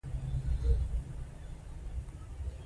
د اوبو سپما د ستونزو د مخنیوي تر ټولو اسانه لاره ده.